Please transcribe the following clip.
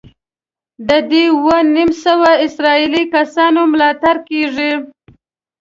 د دې اووه نیم سوه اسرائیلي کسانو ملاتړ کېږي.